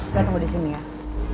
saya tunggu di sini ya